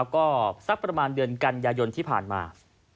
ก็สักประมาณเดือนกันยายนที่ผ่านมา